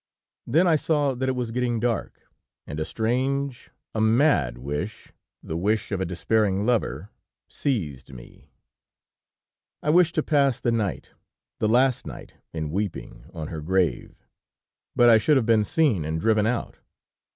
Then I saw that it was getting dark, and a strange, a mad wish, the wish of a despairing lover seized me. I wished to pass the night, the last night in weeping on her grave. But I should be seen and driven out.